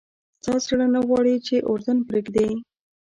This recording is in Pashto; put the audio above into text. ستا زړه نه غواړي چې اردن پرېږدې.